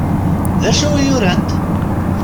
D acu i urant?